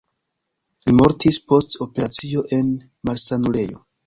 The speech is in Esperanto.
Li mortis post operacio en malsanulejo.